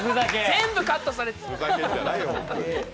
全部、カットされた。